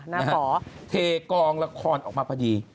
และที่เกาะละครออกมาพอดี